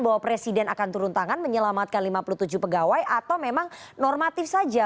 bahwa presiden akan turun tangan menyelamatkan lima puluh tujuh pegawai atau memang normatif saja